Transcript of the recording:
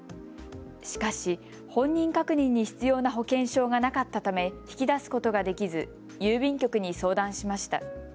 しかし本人確認に必要な保険証がなかったため引き出すことができず郵便局に相談しました。